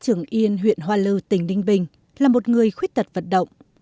trường yên huyện hoa lưu tỉnh đinh bình là một người khuyết tật vận động